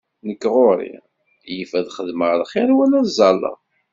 Nek ɣur-i yif ad xedmeɣ lxiṛ wala ad ẓalleɣ.